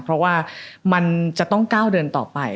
เพราะว่ามันจะต้องก้าวเดินต่อไป